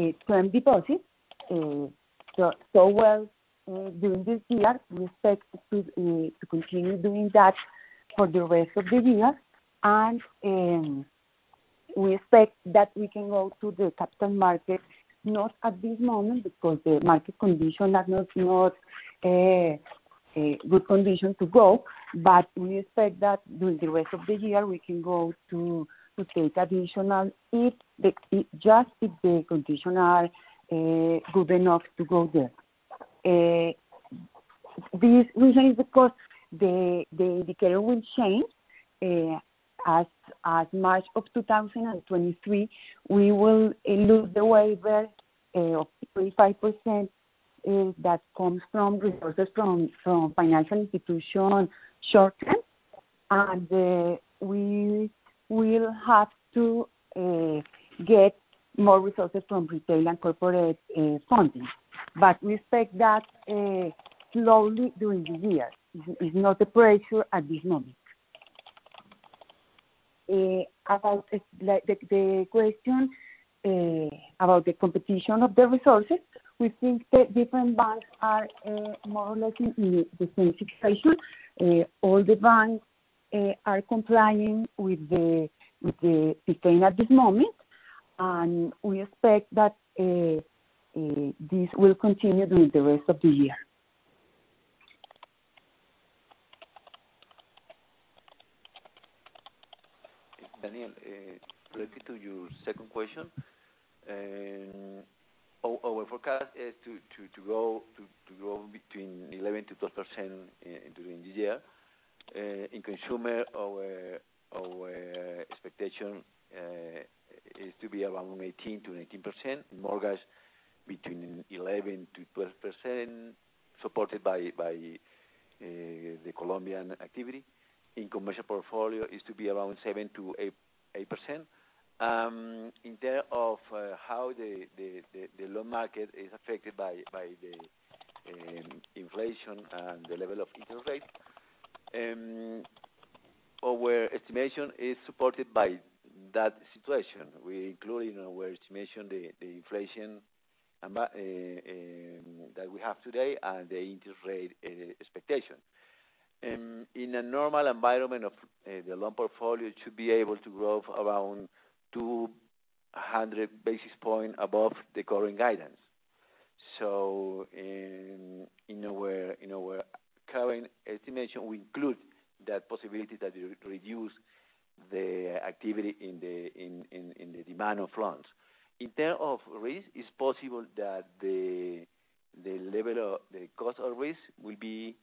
in term deposits. Well, during this year, we expect to continue doing that for the rest of the year. We expect that we can go to the capital market, not at this moment because the market conditions are not a good condition to go. We expect that during the rest of the year, we can go to take additional if the conditions good enough to go there. This reason is because the indicator will change, as March 2023, we will lose the waiver of 35% that comes from resources from financial institution short-term. We will have to get more resources from retail and corporate funding. We expect that slowly during the year. It is not a pressure at this moment. Like the question about the competition for the resources, we think the different banks are more or less in the same situation. All the banks are complying with the CFEN at this moment, and we expect that this will continue during the rest of the year. Daniel, related to your second question, our forecast is to grow between 11%-12% during this year. In consumer, our expectation is to be around 18%-19%. In mortgage between 11%-12%, supported by the Colombian activity. In commercial portfolio is to be around 7%-8%. In terms of how the loan market is affected by the inflation and the level of interest rate, our estimation is supported by that situation. We include in our estimation the inflation that we have today and the interest rate expectation. In a normal environment of the loan portfolio should be able to grow around 200 basis points above the current guidance. In our current estimation, we include that possibility that it will reduce the activity in the demand of loans. In terms of risk, it's possible that the level of the cost of risk will be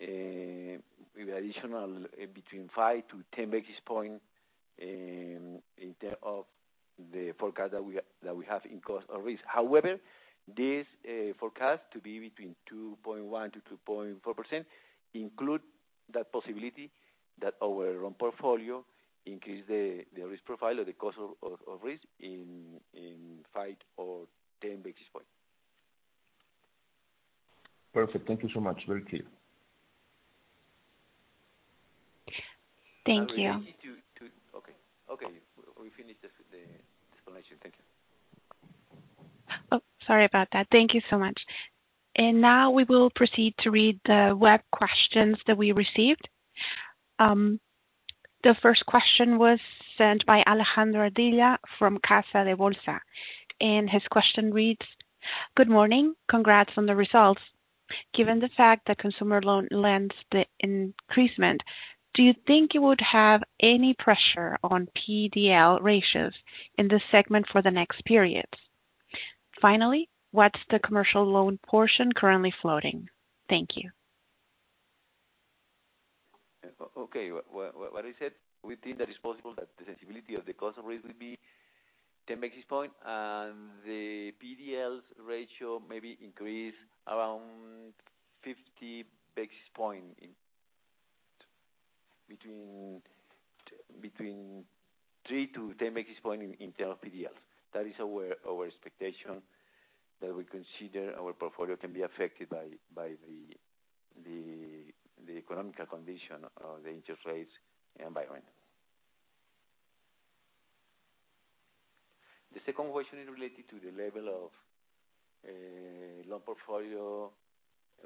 additional between 5-10 basis points in terms of the forecast that we have in cost of risk. However, this forecast to be between 2.1%-2.4% include that possibility that our loan portfolio increase the risk profile or the cost of risk in 5 or 10 basis points. Perfect. Thank you so much. Very clear. Thank you. Okay. We finished the explanation. Thank you. Oh, sorry about that. Thank you so much. Now we will proceed to read the web questions that we received. The first question was sent by Alejandro Ardila from Casa de Bolsa, and his question reads: Good morning. Congrats on the results. Given the fact that consumer loans lending's increase, do you think it would have any pressure on PDL ratios in this segment for the next periods? Finally, what's the commercial loan portion currently floating? Thank you. What is said, we think that it's possible that the sensitivity of the cost of risk will be 10 basis points and the PDL ratio may be increased around 50 basis points between 3-10 basis points in terms of PDLs. That is our expectation that we consider our portfolio can be affected by the economic conditions of the interest rates environment. The second question is related to the level of loan portfolio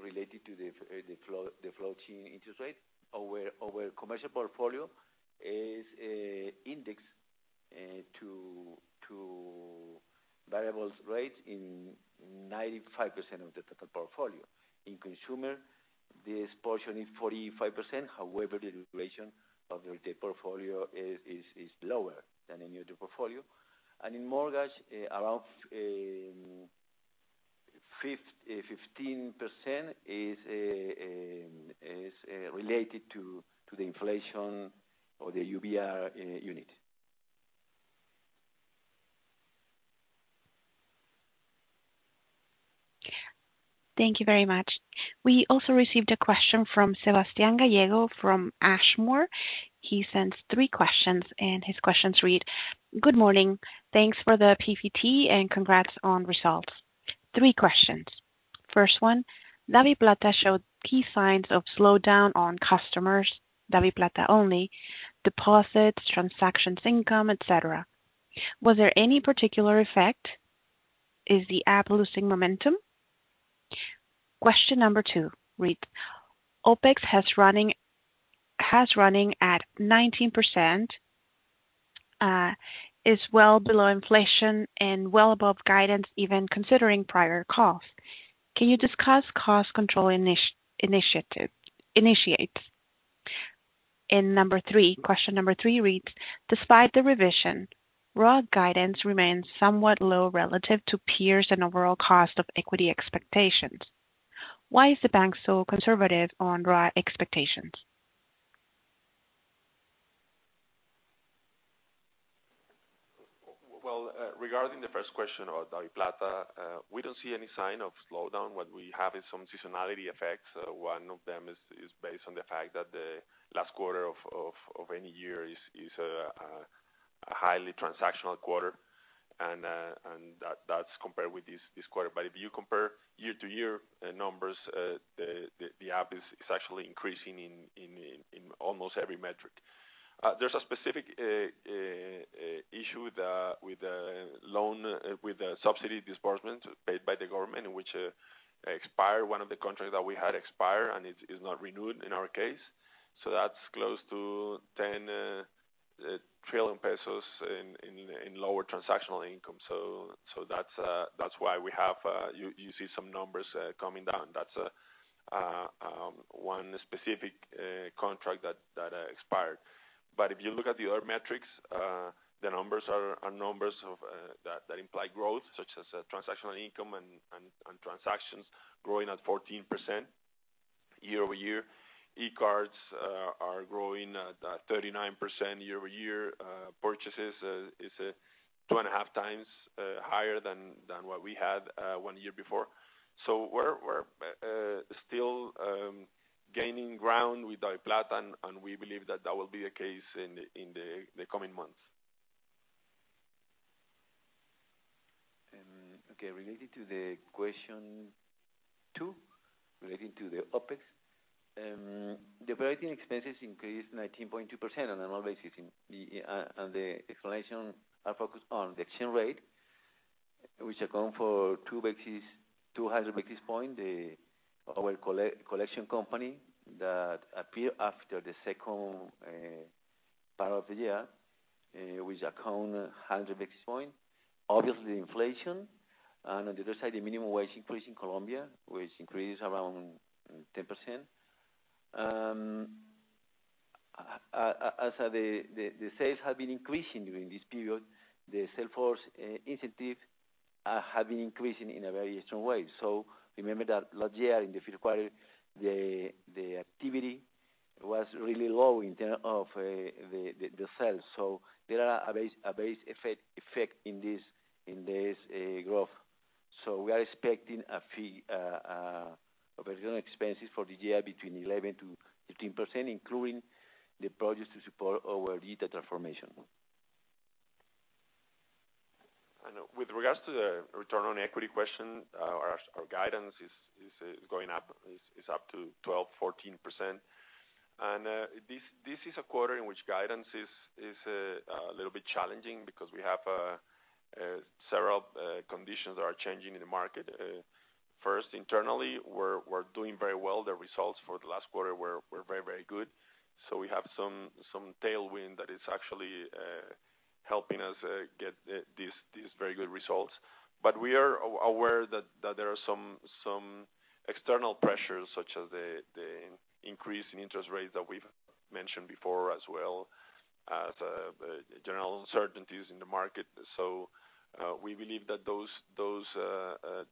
related to the floating interest rate. Our commercial portfolio is indexed to variable rate in 95% of the total portfolio. In consumer, this portion is 45%. However, the duration of the portfolio is lower than in the other portfolio. In mortgage, around 15% is related to the inflation or the UVR unit. Thank you very much. We also received a question from Sebastian Gallego from Ashmore. He sends three questions, and his questions read: Good morning. Thanks for the PPT and congrats on results. Three questions. First one, DaviPlata showed key signs of slowdown on customers, DaviPlata-only deposits, transactions income, et cetera. Was there any particular effect? Is the app losing momentum? Question number two reads, OPEX is running at 19%, is well below inflation and well above guidance, even considering prior costs. Can you discuss cost control initiatives? Number three reads, despite the revision, ROA guidance remains somewhat low relative to peers and overall cost of equity expectations. Why is the bank so conservative on ROA expectations? Well, regarding the first question on DaviPlata, we don't see any sign of slowdown. What we have is some seasonality effects. One of them is based on the fact that the last quarter of any year is a highly transactional quarter, and that's compared with this quarter. But if you compare year-to-year numbers, the app is actually increasing in almost every metric. There's a specific issue with the subsidy disbursement paid by the government, in which one of the contracts that we had expired, and it is not renewed in our case. That's close to 10 trillion COP in lower transactional income. That's why you see some numbers coming down. That's one specific contract that expired. But if you look at the other metrics, the numbers are numbers that imply growth, such as transactional income and transactions growing at 14% year-over-year. e-cards are growing at 39% year-over-year. Purchases is 2.5 times higher than what we had one year before. We're still gaining ground with DaviPlata, and we believe that will be the case in the coming months. Okay, related to the question two, relating to the OPEX. The operating expenses increased 19.2% on an annual basis in the, and the explanation are focused on the exchange rate, which account for 200 basis points. Our collection company that appeared after the second part of the year, which account 100 basis points. Obviously, the inflation, and on the other side, the minimum wage increase in Colombia, which increased around 10%. As the sales have been increasing during this period, the sales force incentive have been increasing in a very strong way. Remember that last year in the Q3, the activity was really low in terms of the sales. There are a base effect in this growth. We are expecting operating expenses for the year between 11%-15%, including the projects to support our data transformation. With regards to the return on equity question, our guidance is going up. It is up to 12%-14%. This is a quarter in which guidance is a little bit challenging because we have several conditions that are changing in the market. First, internally, we're doing very well. The results for the last quarter were very good. We have some tailwind that is actually helping us get these very good results. But we are aware that there are some external pressures, such as the increase in interest rates that we've mentioned before, as well as general uncertainties in the market. We believe that those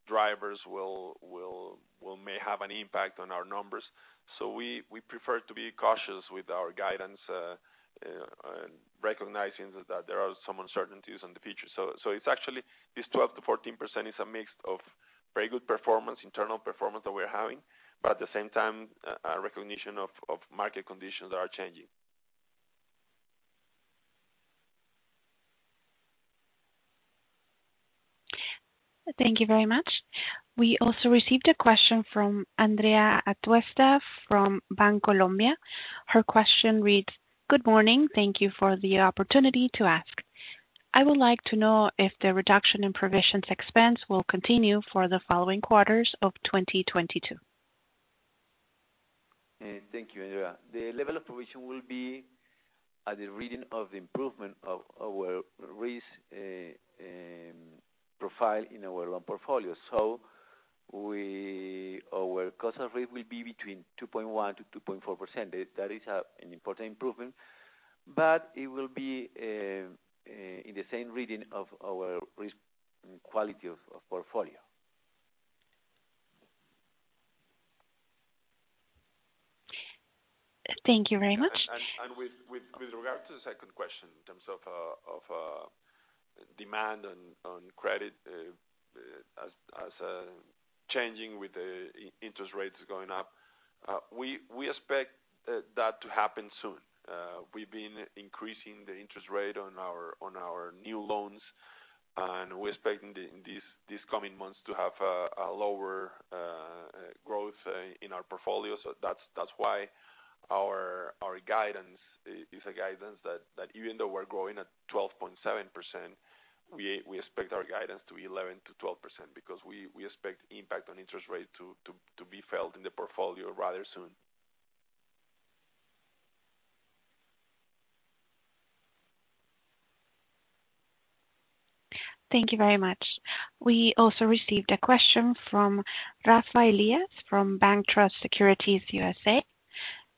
drivers may have an impact on our numbers. We prefer to be cautious with our guidance, and recognizing that there are some uncertainties in the future. It's actually this 12%-14% is a mix of very good performance, internal performance that we're having, but at the same time, a recognition of market conditions are changing. Thank you very much. We also received a question from Andrea Atuesta from Bancolombia. Her question reads: Good morning. Thank you for the opportunity to ask. I would like to know if the reduction in provisions expense will continue for the following quarters of 2022. Thank you, Andrea. The level of provision will be at the reading of the improvement of our risk profile in our loan portfolio. Our cost of risk will be between 2.1%-2.4%. That is an important improvement, but it will be in the same reading of our risk quality of portfolio. Thank you very much. With regard to the second question in terms of demand on credit as changing with the interest rates going up, we expect that to happen soon. We've been increasing the interest rate on our new loans, and we're expecting in these coming months to have a lower-growth in our portfolio. That's why our guidance is a guidance that even though we're growing at 12.7%, we expect our guidance to be 11%-12% because we expect impact on interest rate to be felt in the portfolio rather soon. Thank you very much. We also received a question from Rafael Elias from BancTrust Securities USA.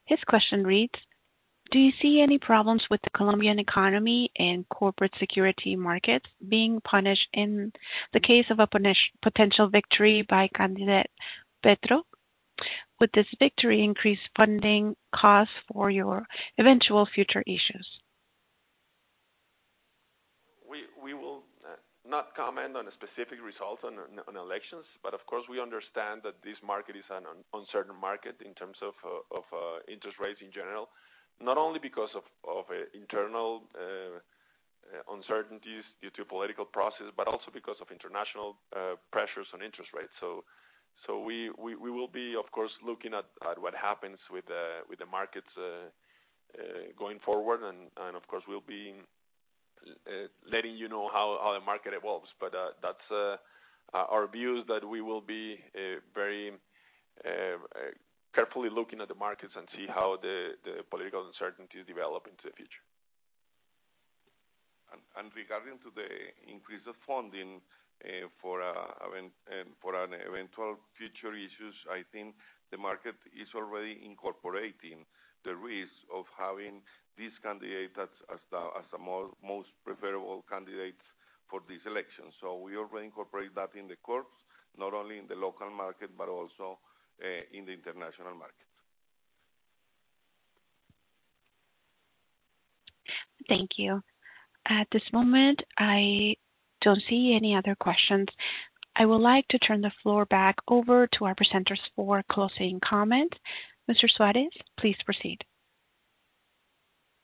His question reads: Do you see any problems with the Colombian economy and corporate security markets being punished in the case of a potential victory by candidate Petro? Would this victory increase funding costs for your eventual future issues? We will not comment on the specific results on elections, but of course, we understand that this market is an uncertain market in terms of interest rates in general, not only because of internal uncertainties due to political process, but also because of international pressures on interest rates. We will be, of course, looking at what happens with the markets going forward. Of course, we'll be letting you know how the market evolves. That's our view is that we will be very carefully looking at the markets and see how the political uncertainties develop into the future. Regarding the increase of funding for an eventual future issuances, I think the market is already incorporating the risk of having these candidates as the most probable candidates for this election. We already incorporate that in the curves, not only in the local market, but also in the international market. Thank you. At this moment, I don't see any other questions. I would like to turn the floor back over to our presenters for closing comment. Mr. Suárez, please proceed.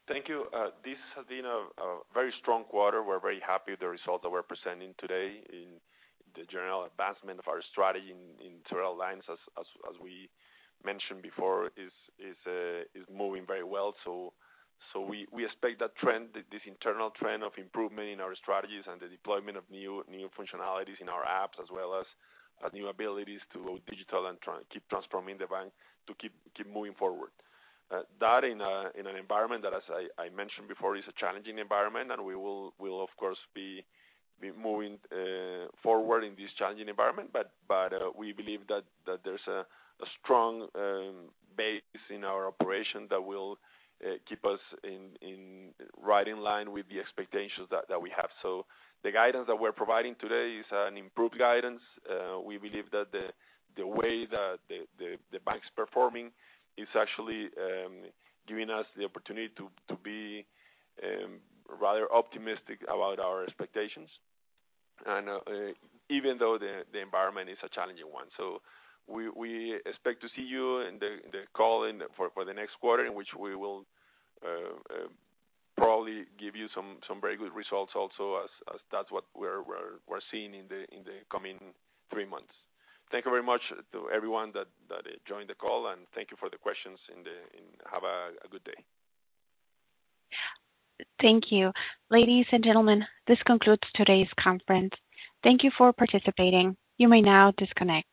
Thank you. This has been a very strong quarter. We're very happy with the result that we're presenting today in the general advancement of our strategy in internal lines as we mentioned before, is moving very well. We expect that trend, this internal trend of improvement in our strategies and the deployment of new functionalities in our apps, as well as new abilities to go digital and try and keep transforming the bank to keep moving forward. That in an environment that, as I mentioned before, is a challenging environment, and we will of course be moving forward in this challenging environment. We believe that there's a strong base in our operation that will keep us right in line with the expectations that we have. The guidance that we're providing today is an improved guidance. We believe that the way that the bank's performing is actually giving us the opportunity to be rather optimistic about our expectations and even though the environment is a challenging one. We expect to see you in the call for the next quarter, in which we will probably give you some very good results also as that's what we're seeing in the coming three months. Thank you very much to everyone that joined the call, and thank you for the questions. Have a good day. Thank you. Ladies and gentlemen, this concludes today's conference. Thank you for participating. You may now disconnect.